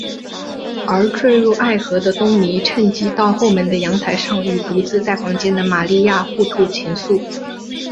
而坠入爱河的东尼趁机到后门的阳台上与独自在房间的玛利亚互吐情愫。